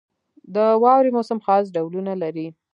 • د واورې موسم خاص ډولونه لري.